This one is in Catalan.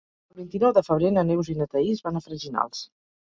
El vint-i-nou de febrer na Neus i na Thaís van a Freginals.